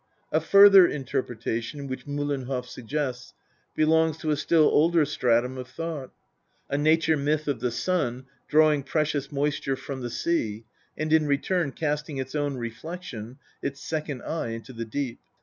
A further interpretation, which Miillenhoff suggests, belongs to a still older stratum of thought a nature myth of the sun drawing precious moisture from the sea, and in return casting its own reflection, its second eye, into the deep.